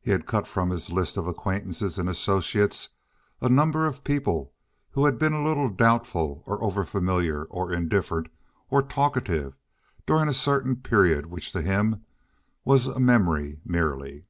He had cut from his list of acquaintances and associates a number of people who had been a little doubtful or overfamiliar or indifferent or talkative during a certain period which to him was a memory merely.